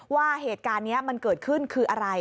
ว่าเหตุการณ์นี้มันเกิดขึ้นคืออะไร